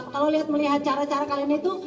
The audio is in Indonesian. kalau lihat melihat cara cara kalian itu